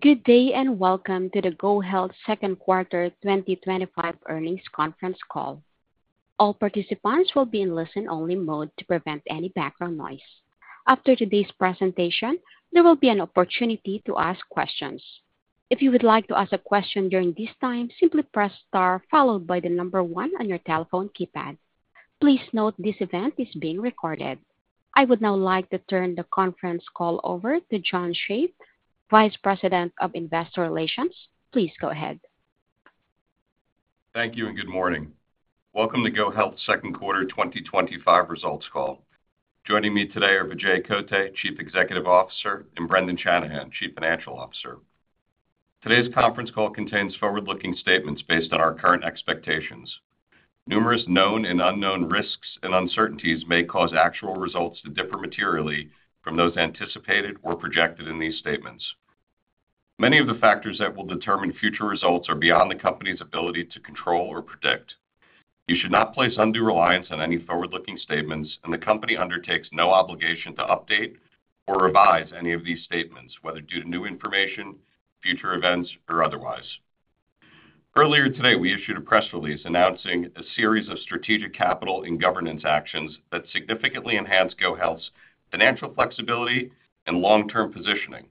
Good day and welcome to the GoHealth Second Quarter 2025 Earnings Conference Call. All participants will be in listen-only mode to prevent any background noise. After today's presentation, there will be an opportunity to ask questions. If you would like to ask a question during this time, simply press star followed by the number one on your telephone keypad. Please note this event is being recorded. I would now like to turn the conference call over to John Shave, Vice President of Investor Relations. Please go ahead. Thank you and good morning. Welcome to GoHealth's Second Quarter 2025 Results Call. Joining me today are Vijay Kotte, Chief Executive Officer, and Brendan Shanahan, Chief Financial Officer. Today's conference call contains forward-looking statements based on our current expectations. Numerous known and unknown risks and uncertainties may cause actual results to differ materially from those anticipated or projected in these statements. Many of the factors that will determine future results are beyond the company's ability to control or predict. You should not place undue reliance on any forward-looking statements, and the company undertakes no obligation to update or revise any of these statements, whether due to new information, future events, or otherwise. Earlier today, we issued a press release announcing a series of strategic capital and governance actions that significantly enhance GoHealth's financial flexibility and long-term positioning,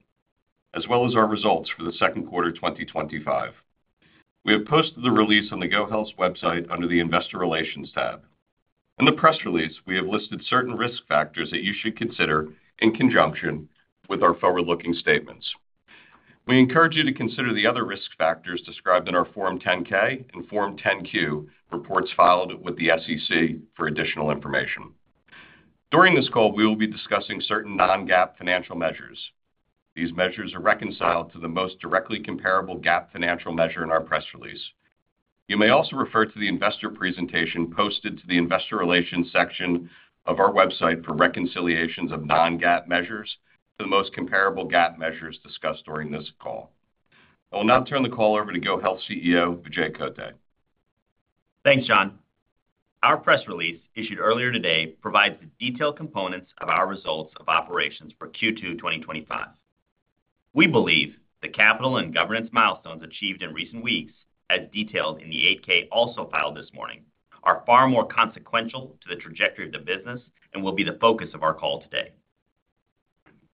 as well as our results for the second quarter 2025. We have posted the release on GoHealth's website under the Investor Relations tab. In the press release, we have listed certain risk factors that you should consider in conjunction with our forward-looking statements. We encourage you to consider the other risk factors described in our Form 10-K and Form 10-Q reports filed with the SEC for additional information. During this call, we will be discussing certain non-GAAP financial measures. These measures are reconciled to the most directly comparable GAAP financial measure in our press release. You may also refer to the investor presentation posted to the Investor Relations section of our website for reconciliations of non-GAAP measures to the most comparable GAAP measures discussed during this call. I will now turn the call over to GoHealth CEO Vijay Kotte. Thanks, John. Our press release issued earlier today provides the detailed components of our results of operations for Q2 2025. We believe the capital and governance milestones achieved in recent weeks, as detailed in the 8-K also filed this morning, are far more consequential to the trajectory of the business and will be the focus of our call today.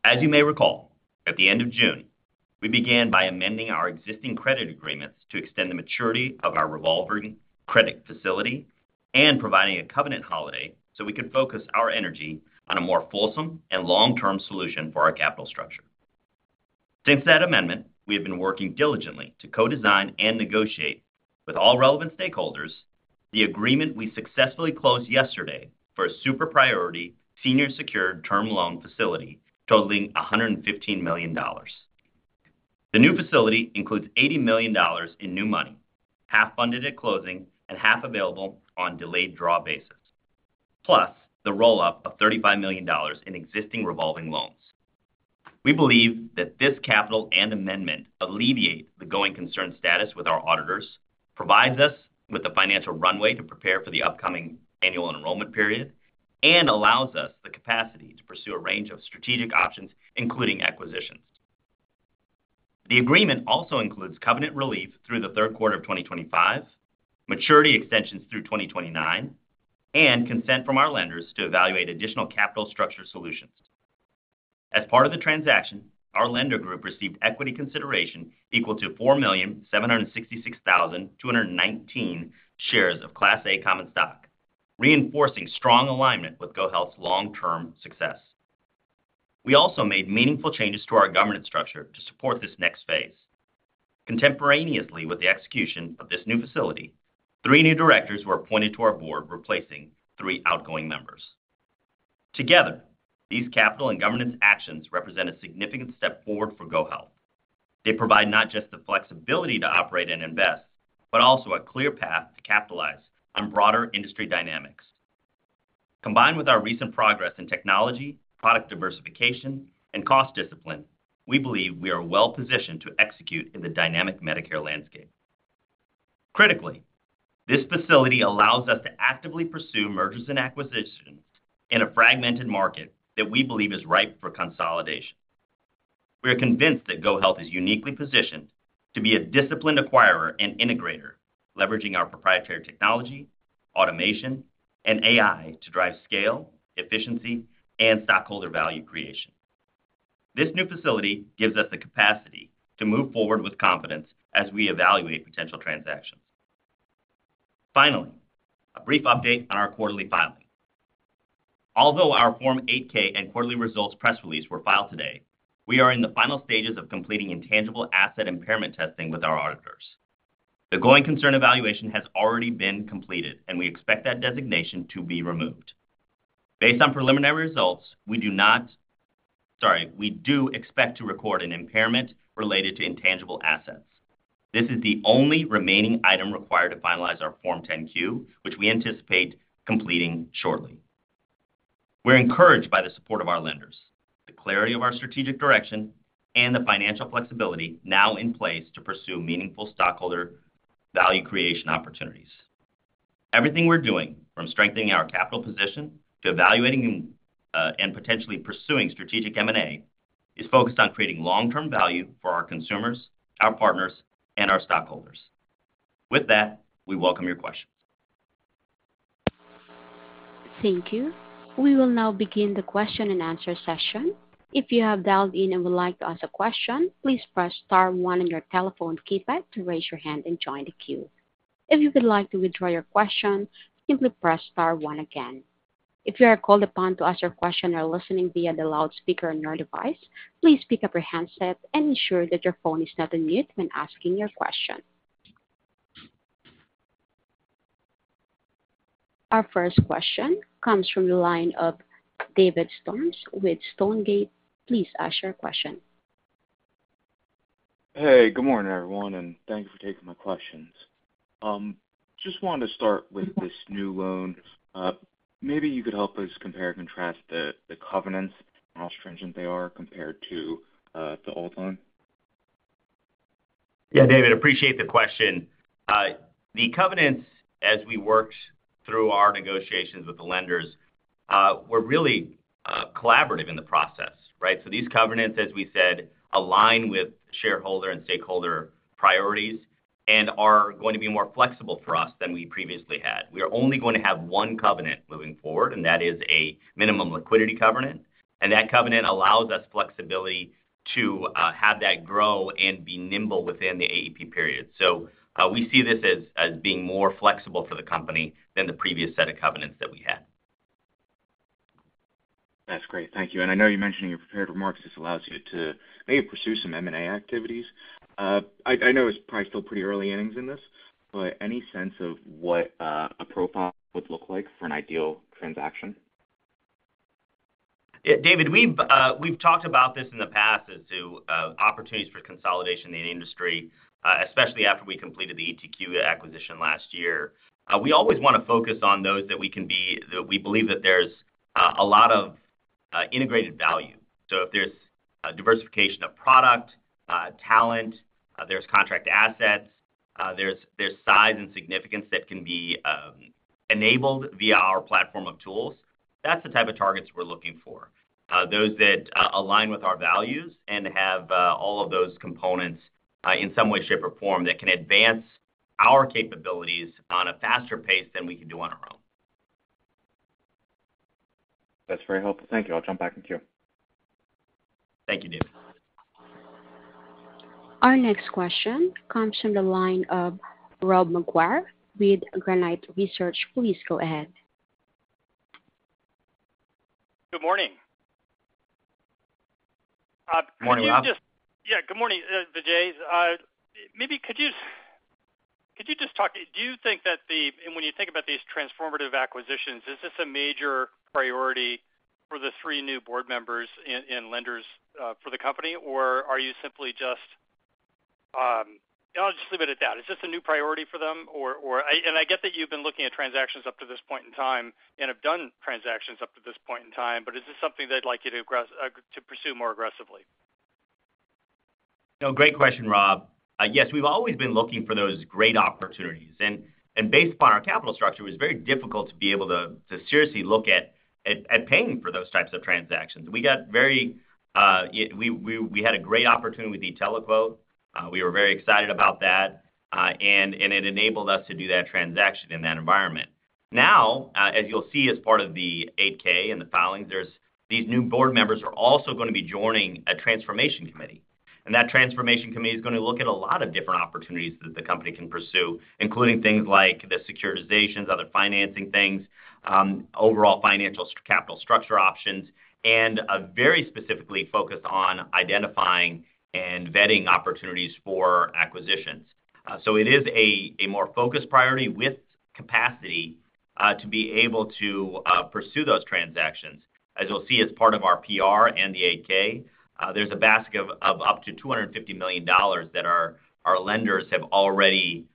As you may recall, at the end of June, we began by amending our existing credit agreements to extend the maturity of our revolving credit facility and providing a covenant holiday so we could focus our energy on a more fulsome and long-term solution for our capital structure. Since that amendment, we have been working diligently to co-design and negotiate with all relevant stakeholders the agreement we successfully closed yesterday for a super-priority senior secured term loan facility totaling $115 million. The new facility includes $80 million in new money, half funded at closing and half available on a delayed draw basis, plus the roll-up of $35 million in existing revolving loans. We believe that this capital and amendment alleviate the going concern status with our auditors, provides us with the financial runway to prepare for the upcoming Annual Enrollment Period, and allows us the capacity to pursue a range of strategic options, including acquisitions. The agreement also includes covenant relief through the third quarter of 2025, maturity extensions through 2029, and consent from our lenders to evaluate additional capital structure solutions. As part of the transaction, our lender group received equity consideration equal to 4,766,219 shares of Class A common stock, reinforcing strong alignment with GoHealth's long-term success. We also made meaningful changes to our governance structure to support this next phase. Contemporaneously with the execution of this new facility, three new directors were appointed to our board, replacing three outgoing members. Together, these capital and governance actions represent a significant step forward for GoHealth. They provide not just the flexibility to operate and invest, but also a clear path to capitalize on broader industry dynamics. Combined with our recent progress in technology, product diversification, and cost discipline, we believe we are well positioned to execute in the dynamic Medicare landscape. Critically, this facility allows us to actively pursue mergers and acquisitions in a fragmented market that we believe is ripe for consolidation. We are convinced that GoHealth is uniquely positioned to be a disciplined acquirer and integrator, leveraging our proprietary technology, automation, and AI to drive scale, efficiency, and stockholder value creation. This new facility gives us the capacity to move forward with confidence as we evaluate potential transactions. Finally, a brief update on our quarterly filing. Although our Form 8-K and quarterly results press release were filed today, we are in the final stages of completing intangible asset impairment testing with our auditors. The going concern evaluation has already been completed, and we expect that designation to be removed. Based on preliminary results, we do expect to record an impairment related to intangible assets. This is the only remaining item required to finalize our Form 10-Q, which we anticipate completing shortly. We're encouraged by the support of our lenders, the clarity of our strategic direction, and the financial flexibility now in place to pursue meaningful stockholder value creation opportunities. Everything we're doing, from strengthening our capital position to evaluating and potentially pursuing strategic M&A, is focused on creating long-term value for our consumers, our partners, and our stockholders. With that, we welcome your question. Thank you. We will now begin the question and answer session. If you have dialed in and would like to ask a question, please press star one on your telephone keypad to raise your hand and join the queue. If you would like to withdraw your question, simply press star one again. If you are called upon to ask your question or listening via the loudspeaker on your device, please pick up your handset and ensure that your phone is not in mute when asking your question. Our first question comes from the line of Dave Storms with Stonegate. Please ask your question. Hey, good morning everyone, and thank you for taking my questions. I just wanted to start with this new loan. Maybe you could help us compare and contrast the covenants and how stringent they are compared to the old one? Yeah, Dave, appreciate the question. The covenants, as we worked through our negotiations with the lenders, were really collaborative in the process, right? These covenants, as we said, align with shareholder and stakeholder priorities and are going to be more flexible for us than we previously had. We are only going to have one covenant moving forward, and that is a minimum liquidity covenant. That covenant allows us flexibility to have that grow and be nimble within the AEP period. We see this as being more flexible for the company than the previous set of covenants that we had. That's great. Thank you. I know you mentioned you prepared remarks. This allows you to, I think, pursue some M&A activities. I know it's probably still pretty early innings in this, but any sense of what a profile would look like for an ideal transaction? David, we've talked about this in the past as to opportunities for consolidation in the industry, especially after we completed the e-TQ acquisition last year. We always want to focus on those that we believe that there's a lot of integrated value. If there's diversification of product, talent, there's contract assets, there's size and significance that can be enabled via our platform of tools, that's the type of targets we're looking for. Those that align with our values and have all of those components in some way, shape, or form that can advance our capabilities on a faster pace than we can do on our own. That's very helpful. Thank you. I'll jump back in queue. Thank you, Dave. Our next question comes from the line of Rob McGuire with Granite Research. Please go ahead. Good morning. Morning, Rob. Good morning, Vijay. Maybe could you just talk, do you think that the, and when you think about these transformative acquisitions, is this a major priority for the three new board members and lenders for the company, or are you simply just, I'll just leave it at that? Is this a new priority for them? I get that you've been looking at transactions up to this point in time and have done transactions up to this point in time, but is this something they'd like you to pursue more aggressively? No, great question, Rob. Yes, we've always been looking for those great opportunities. Based upon our capital structure, it was very difficult to be able to seriously look at paying for those types of transactions. We had a great opportunity with the e-TeleQuote. We were very excited about that, and it enabled us to do that transaction in that environment. As you'll see as part of the 8-K and the filings, these new board members are also going to be joining a transformation committee. That transformation committee is going to look at a lot of different opportunities that the company can pursue, including things like the securitizations, other financing things, overall financial capital structure options, and very specifically focused on identifying and vetting opportunities for acquisitions. It is a more focused priority with capacity to be able to pursue those transactions. As you'll see, as part of our PR and the 8-K, there's a basket of up to $250 million that our lenders have already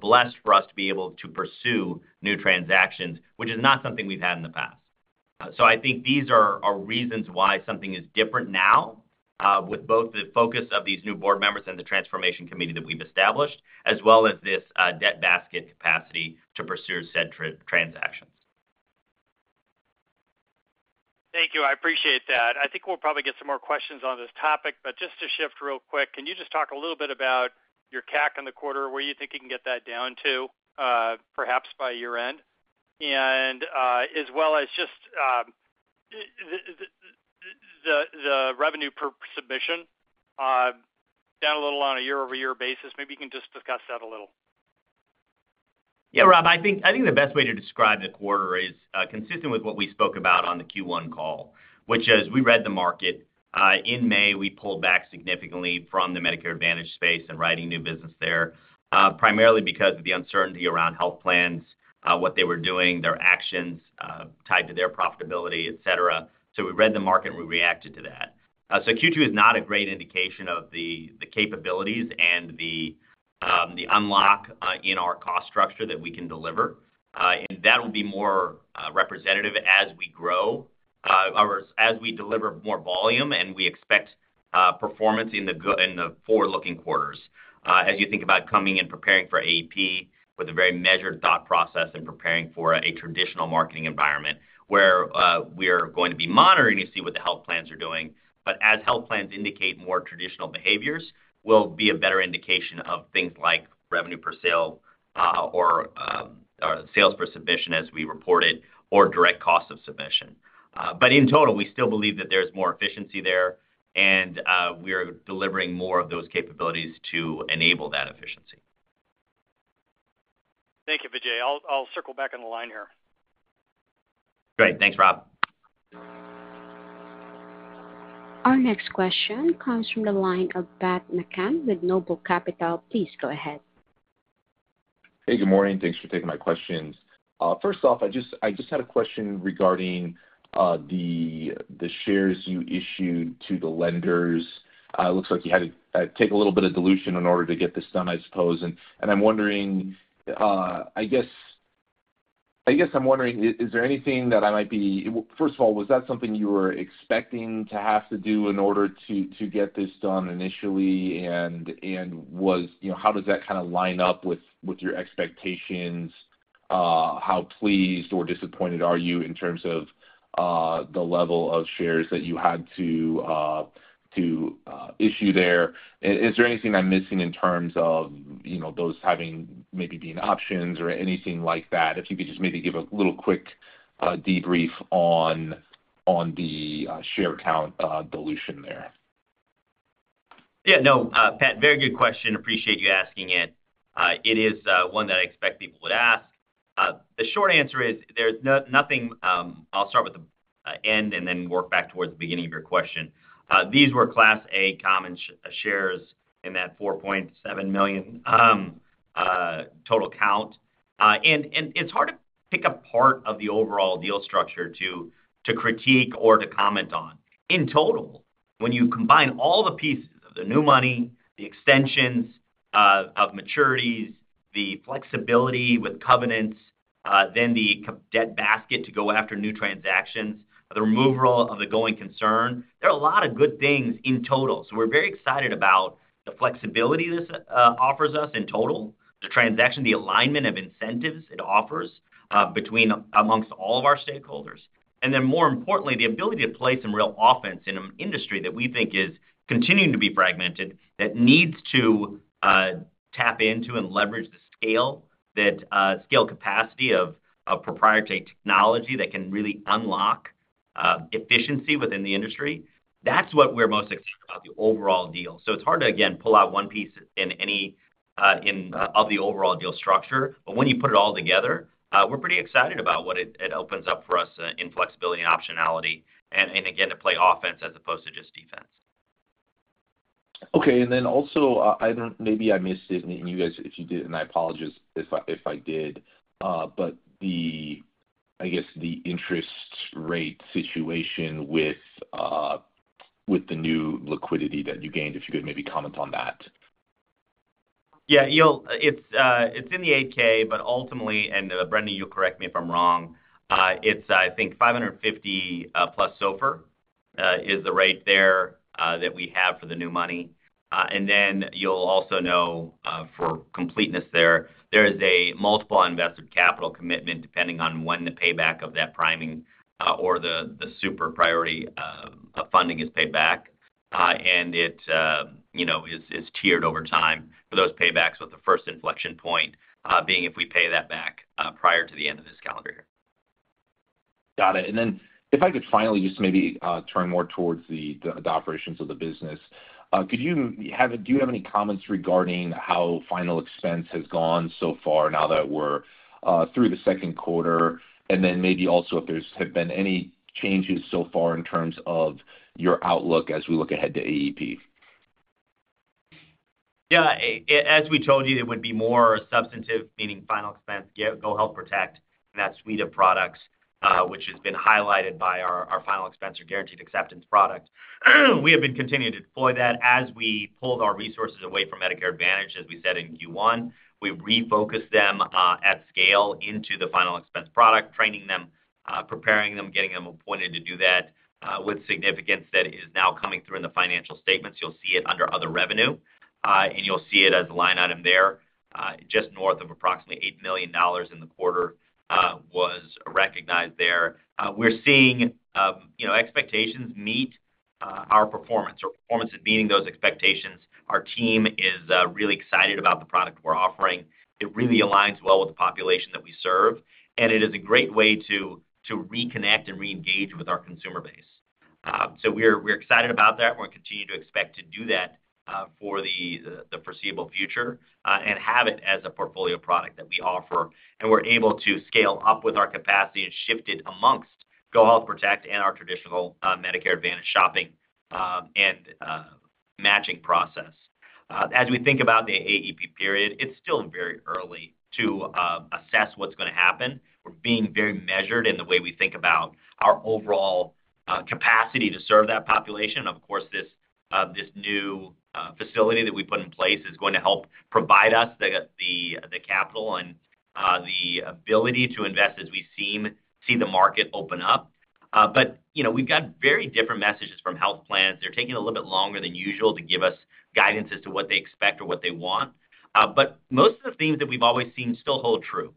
blessed for us to be able to pursue new transactions, which is not something we've had in the past. I think these are reasons why something is different now, with both the focus of these new board members and the transformation committee that we've established, as well as this debt basket capacity to pursue said transaction. Thank you. I appreciate that. I think we'll probably get some more questions on this topic. Just to shift real quick, can you just talk a little bit about your CAC in the quarter? Where do you think you can get that down to, perhaps by year end? As well as just the revenue per submission, down a little on a year-over-year basis? Maybe you can just discuss that a little. Yeah, Rob, I think the best way to describe the quarter is, consistent with what we spoke about on the Q1 call, which is we read the market. In May, we pulled back significantly from the Medicare Advantage space and writing new business there, primarily because of the uncertainty around health plans, what they were doing, their actions, tied to their profitability, etc. We read the market and we reacted to that. Q2 is not a great indication of the capabilities and the unlock in our cost structure that we can deliver. That will be more representative as we grow, or as we deliver more volume, and we expect performance in the forward-looking quarters. As you think about coming and preparing for AEP with a very measured thought process and preparing for a traditional marketing environment where we are going to be monitoring to see what the health plans are doing. As health plans indicate more traditional behaviors, it will be a better indication of things like revenue per sale, or sales per submission as we reported, or direct cost of submission. In total, we still believe that there's more efficiency there, and we are delivering more of those capabilities to enable that efficiency. Thank you, Vijay. I'll circle back on the line here. Great. Thanks, Rob. Our next question comes from the line of Pat McCann with NOBLE Capital. Please go ahead. Hey, good morning. Thanks for taking my questions. First off, I just had a question regarding the shares you issued to the lenders. It looks like you had to take a little bit of dilution in order to get this done, I suppose. I'm wondering, was that something you were expecting to have to do in order to get this done initially? How does that kind of line up with your expectations? How pleased or disappointed are you in terms of the level of shares that you had to issue there? Is there anything I'm missing in terms of those having maybe been options or anything like that? If you could just maybe give a little quick debrief on the share count, dilution there. Yeah, no, Pat, very good question. Appreciate you asking it. It is one that I expect people would ask. The short answer is there's nothing. I'll start with the end and then work back towards the beginning of your question. These were Class A common shares in that 4.7 million total count, and it's hard to pick a part of the overall deal structure to critique or to comment on. In total, when you combine all the pieces, the new money, the extensions of maturities, the flexibility with covenants, then the debt basket to go after new transactions, the removal of the going concern, there are a lot of good things in total. We're very excited about the flexibility this offers us in total, the transaction, the alignment of incentives it offers amongst all of our stakeholders. More importantly, the ability to play some real offense in an industry that we think is continuing to be fragmented, that needs to tap into and leverage the scale capacity of proprietary technology that can really unlock efficiency within the industry. That's what we're most excited about, the overall deal. It's hard to pull out one piece of the overall deal structure. When you put it all together, we're pretty excited about what it opens up for us in flexibility and optionality, and again, to play offense as opposed to just defense. Okay. I don't, maybe I missed it. If you did, I apologize if I did. The interest rate situation with the new liquidity that you gained, if you could maybe comment on that. Yeah, it's in the 8-K, but ultimately, and Brendan, you correct me if I'm wrong, it's, I think, 5.50%+ SOFR is the rate there that we have for the new money. You'll also know, for completeness, there is a multiple invested capital commitment depending on when the payback of that priming, or the super priority funding, is paid back. It is tiered over time for those paybacks, with the first inflection point being if we pay that back prior to the end of this calendar year. Got it. If I could finally just maybe turn more towards the operations of the business, do you have any comments regarding how final expense has gone so far now that we're through the second quarter? Maybe also if there have been any changes so far in terms of your outlook as we look ahead to AEP? Yeah, as we told you, it would be more substantive, meaning final expense, GoHealth Protect, and that suite of products, which has been highlighted by our final expense or guaranteed acceptance life insurance product. We have been continuing to deploy that as we pulled our resources away from Medicare Advantage, as we said in Q1. We refocused them at scale into the final expense product, training them, preparing them, getting them appointed to do that, with significance that is now coming through in the financial statements. You'll see it under other revenue, and you'll see it as a line item there. Just north of approximately $8 million in the quarter was recognized there. We're seeing expectations meet our performance. Our performance is meeting those expectations. Our team is really excited about the product we're offering. It really aligns well with the population that we serve. It is a great way to reconnect and re-engage with our consumer base. We're excited about that. We're going to continue to expect to do that for the foreseeable future and have it as a portfolio product that we offer. We're able to scale up with our capacity and shift it amongst GoHealth Protect and our traditional Medicare Advantage shopping and matching process. As we think about the AEP Period, it's still very early to assess what's going to happen. We're being very measured in the way we think about our overall capacity to serve that population. Of course, this new facility that we put in place is going to help provide us the capital and the ability to invest as we see the market open up. We've got very different messages from health plans. They're taking a little bit longer than usual to give us guidance as to what they expect or what they want. Most of the themes that we've always seen still hold true.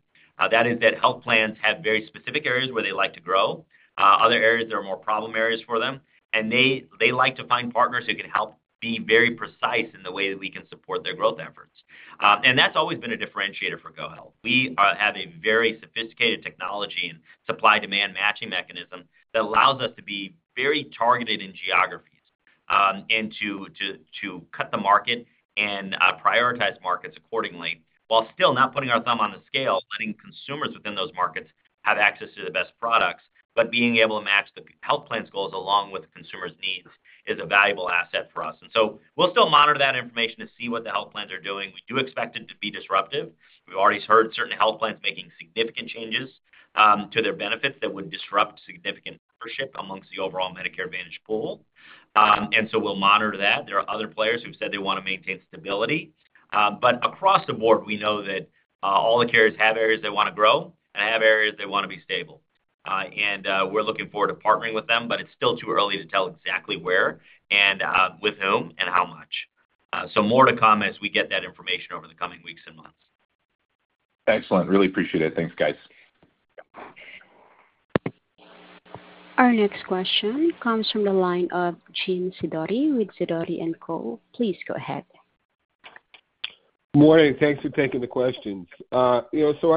That is that health plans have very specific areas where they like to grow, other areas that are more problem areas for them, and they like to find partners who can help be very precise in the way that we can support their growth efforts. That's always been a differentiator for GoHealth. We have a very sophisticated technology and supply-demand matching mechanism that allows us to be very targeted in geography, and to cut the market and prioritize markets accordingly, while still not putting our thumb on the scale, letting consumers within those markets have access to the best products. Being able to match the health plan's goals along with the consumer's needs is a valuable asset for us. We'll still monitor that information to see what the health plans are doing. We do expect it to be disruptive. We've already heard certain health plans making significant changes to their benefits that would disrupt significant membership amongst the overall Medicare Advantage pool. We'll monitor that. There are other players who've said they want to maintain stability, but across the board, we know that all the carriers have areas they want to grow and have areas they want to be stable. We're looking forward to partnering with them, but it's still too early to tell exactly where and with whom and how much. More to come as we get that information over the coming weeks and months. Excellent. Really appreciate it. Thanks, guys. Our next question comes from the line of Jim Sidoti with Sidoti & Co. Please go ahead. Morning. Thanks for taking the questions. I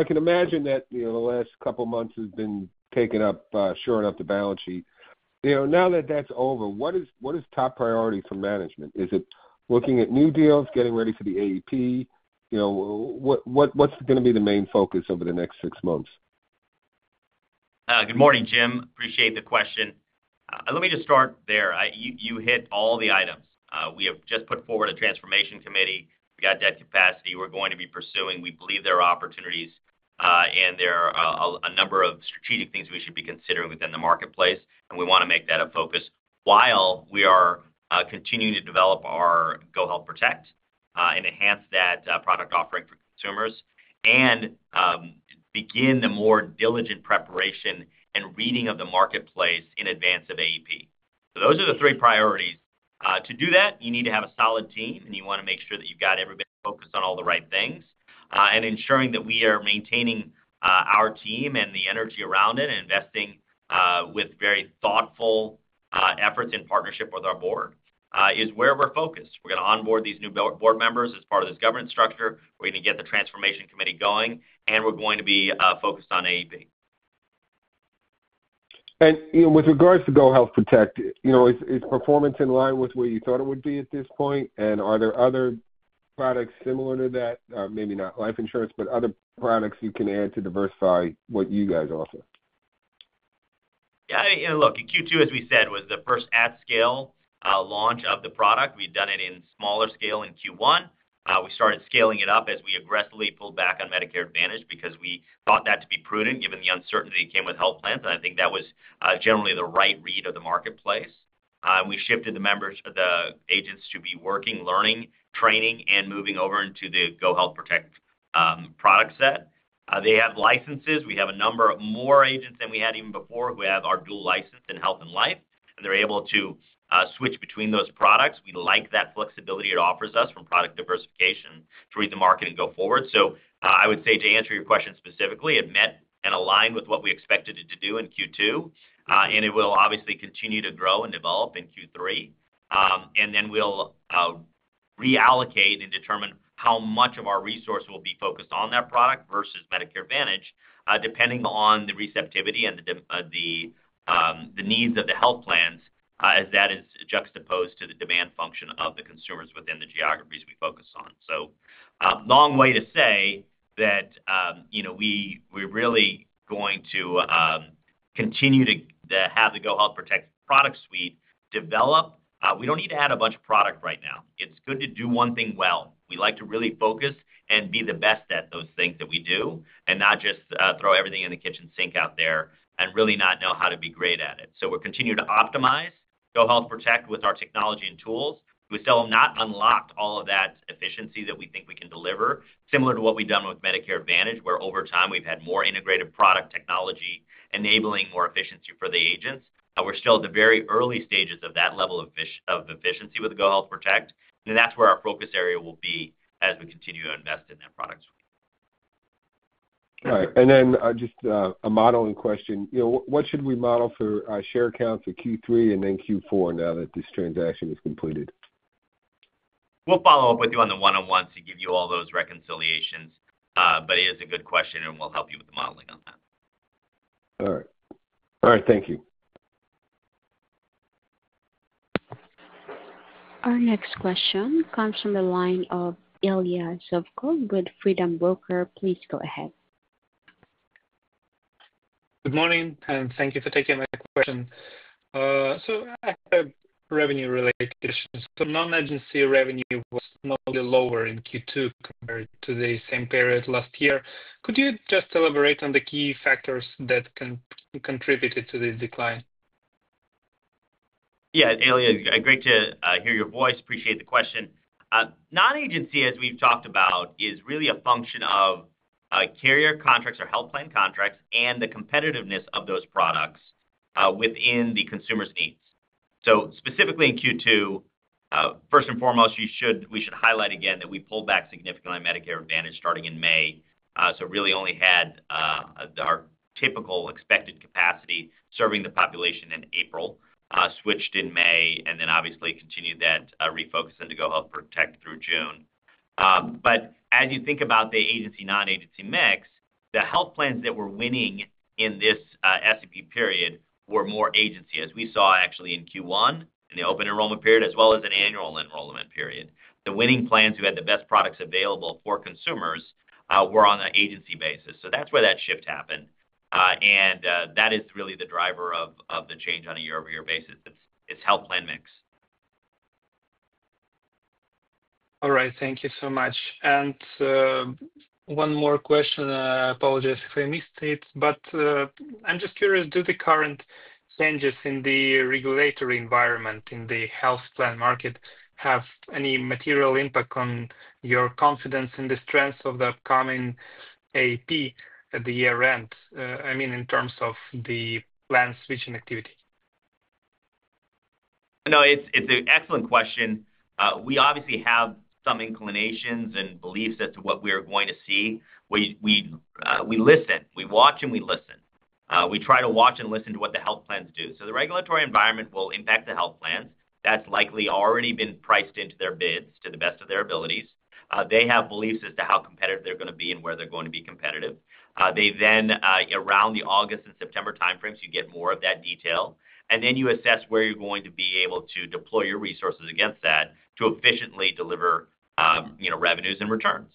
can imagine that the last couple of months has been taking up, sure enough, the balance sheet. Now that that's over, what is top priority for management? Is it looking at new deals, getting ready for the AEP? What is going to be the main focus over the next six months? Good morning, Jim. Appreciate the question. Let me just start there. You hit all the items. We have just put forward a transformation committee. We got that capacity. We're going to be pursuing. We believe there are opportunities, and there are a number of strategic things we should be considering within the marketplace. We want to make that a focus while we are continuing to develop our GoHealth Protect and enhance that product offering for consumers, and begin the more diligent preparation and reading of the marketplace in advance of AEP. Those are the three priorities. To do that, you need to have a solid team, and you want to make sure that you've got everybody focused on all the right things, and ensuring that we are maintaining our team and the energy around it and investing with very thoughtful efforts and partnership with our board is where we're focused. We're going to onboard these new board members as part of this governance structure. We're going to get the transformation committee going, and we're going to be focused on AEP. With regards to GoHealth Protect, is its performance in line with where you thought it would be at this point? Are there other products similar to that, maybe not life insurance, but other products you can add to diversify what you guys offer? Yeah, you know, look, Q2, as we said, was the first at-scale launch of the product. We'd done it in smaller scale in Q1. We started scaling it up as we aggressively pulled back on Medicare Advantage because we thought that to be prudent given the uncertainty that came with health plans. I think that was generally the right read of the marketplace. We shifted the members, the agents to be working, learning, training, and moving over into the GoHealth Protect product set. They have licenses. We have a number of more agents than we had even before who have our dual license in health and life, and they're able to switch between those products. We like that flexibility it offers us from product diversification to read the market and go forward. I would say to answer your question specifically, it met and aligned with what we expected it to do in Q2, and it will obviously continue to grow and develop in Q3. We'll reallocate and determine how much of our resource will be focused on that product versus Medicare Advantage, depending on the receptivity and the needs of the health plans, as that is juxtaposed to the demand function of the consumers within the geographies we focus on. Long way to say that we are really going to continue to have the GoHealth Protect product suite develop. We don't need to add a bunch of products right now. It's good to do one thing well. We like to really focus and be the best at those things that we do and not just throw everything in the kitchen sink out there and really not know how to be great at it. We're continuing to optimize GoHealth Protect with our technology and tools. We still have not unlocked all of that efficiency that we think we can deliver, similar to what we've done with Medicare Advantage, where over time we've had more integrated product technology enabling more efficiency for the agents. We're still at the very early stages of that level of efficiency with GoHealth Protect, and that's where our focus area will be as we continue to invest in that product. All right. Just a modeling question. What should we model for share accounts for Q3 and Q4 now that this transaction is completed? We'll follow up with you on the one-on-one to give you all those reconciliations. It is a good question, and we'll help you with the modeling on that. All right. Thank you. Our next question comes from the line of Ilya Zubkov with Freedom Broker. Please go ahead. Good morning, and thank you for taking my question. I have revenue-related issues. Non-agency revenue was not only lower in Q2 compared to the same period last year. Could you just elaborate on the key factors that can contribute to this decline? Yeah, Ilya, great to hear your voice. Appreciate the question. Non-agency, as we've talked about, is really a function of carrier contracts or health plan contracts and the competitiveness of those products within the consumer's needs. Specifically in Q2, first and foremost, we should highlight again that we pulled back significantly on Medicare Advantage starting in May. We really only had our typical expected capacity serving the population in April, switched in May, and obviously continued that refocus into GoHealth Protect through June. As you think about the agency/non-agency mix, the health plans that were winning in this (SEP) period were more agency, as we saw actually in Q1 in the open enrollment period, as well as in the Annual Enrollment Period. The winning plans who had the best products available for consumers were on the agency basis. That is where that shift happened, and that is really the driver of the change on a year-over-year basis. It's health plan mix. All right. Thank you so much. One more question. I apologize if I missed it, but I'm just curious, do the current changes in the regulatory environment in the health plan market have any material impact on your confidence in the strengths of the upcoming AEP at the year end? I mean, in terms of the plan switching activity. No, it's an excellent question. We obviously have some inclinations and beliefs as to what we are going to see. We listen. We watch and we listen. We try to watch and listen to what the health plans do. The regulatory environment will impact the health plans. That's likely already been priced into their bids to the best of their abilities. They have beliefs as to how competitive they're going to be and where they're going to be competitive. Then, around the August and September timeframes, you get more of that detail. You assess where you're going to be able to deploy your resources against that to efficiently deliver revenues and returns.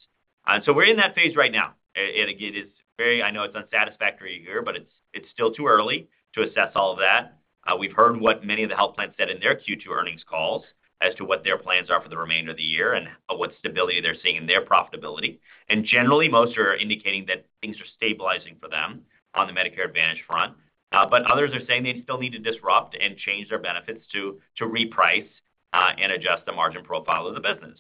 We're in that phase right now. I know it's unsatisfactory here, but it's still too early to assess all of that. We've heard what many of the health plans said in their Q2 earnings calls as to what their plans are for the remainder of the year and what stability they're seeing in their profitability. Generally, most are indicating that things are stabilizing for them on the Medicare Advantage front. Others are saying they still need to disrupt and change their benefits to reprice and adjust the margin profile of the business.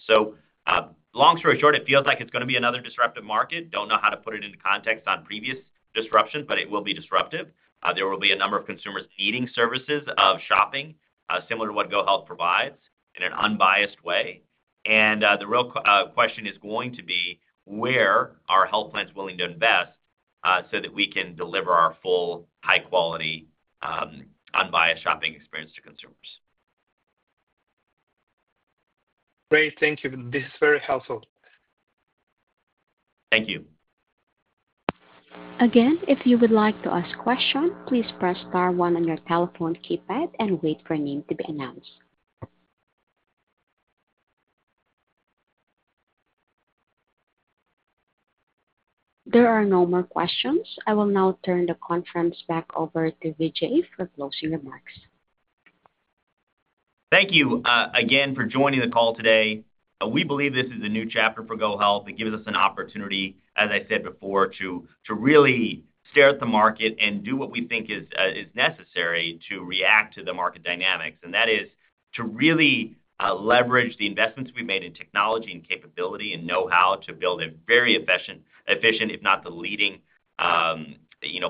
Long story short, it feels like it's going to be another disruptive market. I don't know how to put it into context on previous disruption, but it will be disruptive. There will be a number of consumers needing services of shopping, similar to what GoHealth provides in an unbiased way. The real question is going to be where are health plans willing to invest, so that we can deliver our full, high-quality, unbiased shopping experience to consumers. Great. Thank you. This is very helpful. Thank you. Again, if you would like to ask a question, please press star one on your telephone keypad and wait for a name to be announced. There are no more questions. I will now turn the conference back over to Vijay for closing remarks. Thank you again for joining the call today. We believe this is a new chapter for GoHealth. It gives us an opportunity, as I said before, to really stare at the market and do what we think is necessary to react to the market dynamics. That is to really leverage the investments we've made in technology and capability and know-how to build a very efficient, if not the leading,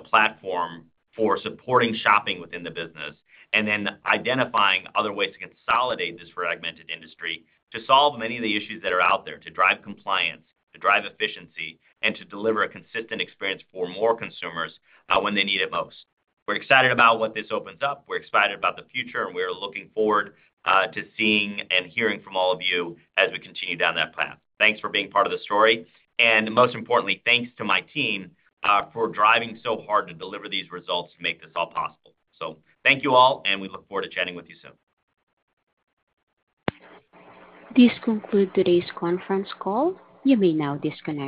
platform for supporting shopping within the business. We are identifying other ways to consolidate this fragmented industry to solve many of the issues that are out there, to drive compliance, to drive efficiency, and to deliver a consistent experience for more consumers when they need it most. We're excited about what this opens up. We're excited about the future, and we are looking forward to seeing and hearing from all of you as we continue down that path. Thanks for being part of the story. Most importantly, thanks to my team for driving so hard to deliver these results to make this all possible. Thank you all, and we look forward to chatting with you soon. This concludes today's conference call. You may now disconnect.